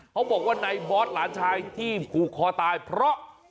เขาบอกว่าในบอสหลานชายที่ผูกคอตายเพราะ